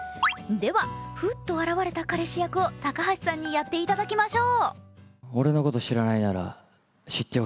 では、フッと現れた彼氏役を高橋さんにやっていただきましょう。